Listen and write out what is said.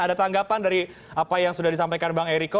ada tanggapan dari apa yang sudah disampaikan bang eriko